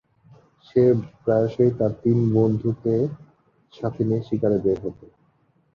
সে প্রায়শই তার তিন ঘনিষ্ঠ বন্ধুকে সাথে নিয়ে শিকারে বের হত।